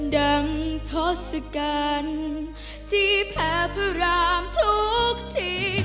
ดังทศกัณฐ์ที่แพ้พิรามทุกที